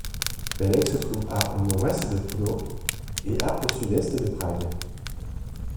Běleč se trouve à au nord-ouest de Brno et à au sud-est de Prague.